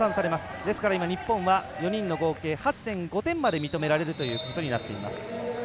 ですから、日本は４人の合計８．５点まで認められることになっています。